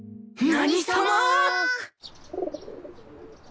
何様！